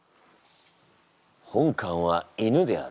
本官は犬である。